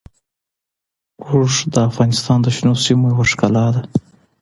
اوښ د افغانستان د شنو سیمو یوه ښکلا ده.